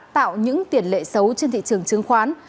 tạo những tiền lệ xấu trên thị trường chứng khoán